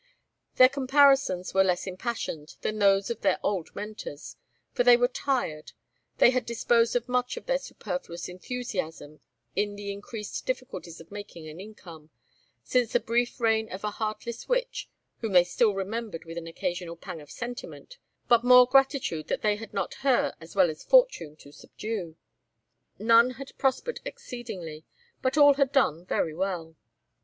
Their comparisons were less impassioned than those of their old mentors, for they were tired; they had disposed of much of their superfluous enthusiasm in the increased difficulties of making an income, since the brief reign of a heartless witch, whom they still remembered with an occasional pang of sentiment, but more gratitude that they had not had her as well as fortune to subdue. None had prospered exceedingly, but all had done well.